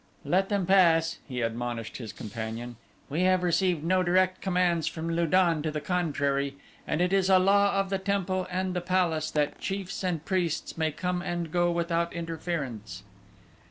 "Let them pass," he admonished his companion. "We have received no direct commands from Lu don to the contrary and it is a law of the temple and the palace that chiefs and priests may come and go without interference."